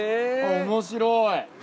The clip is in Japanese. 面白い。